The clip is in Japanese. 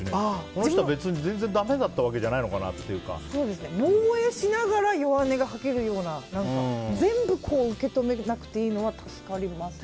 この人、別に全然だめだったわけじゃ防衛しながら弱音がはけるような全部、受け止めなくていいのは助かりますね。